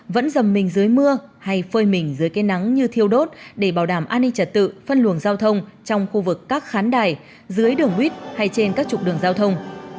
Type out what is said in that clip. vẫn dầm mình dưới mưa hay phơi mình dưới cây nắng như thiêu đốt để bảo đảm an ninh trật tự phân luồng giao thông trong khu vực các khán đài dưới đường huyết hay trên các trục đường giao thông